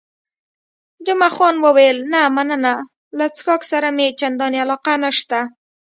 جمعه خان وویل، نه مننه، له څښاک سره مې چندانې علاقه نشته.